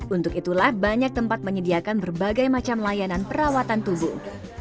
untuk itulah banyak tempat menyediakan berbagai macam layanan perawatan tubuh